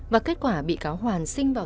và kết quả bị cáo hoàn sinh vào